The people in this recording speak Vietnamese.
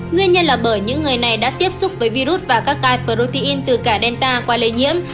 nguyên nhân là bởi những người này đã tiếp xúc với virus và các tai protein từ cả delta qua lây nhiễm